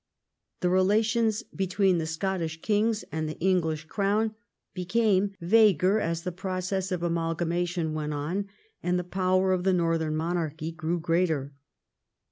The relations between the Scottish kings and the English crown became vaguer as the process of amalgama tion went on, and the power of the northern monarchy greAv greater.